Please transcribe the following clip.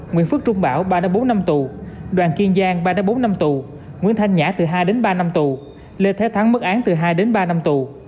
nguyễn phước trung bảo ba bốn năm tù đoàn kiên giang ba bốn năm tù nguyễn thanh nhã từ hai đến ba năm tù lê thế thắng mức án từ hai đến ba năm tù